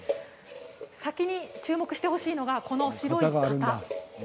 先に注目してほしいのがこの白い型。